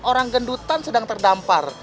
orang gendutan sedang terdampar